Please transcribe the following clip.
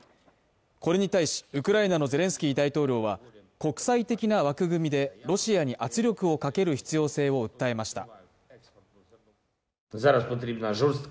これに対し、ウクライナのゼレンスキー大統領は国際的な枠組みでロシアに圧力をかける必要性を訴えました。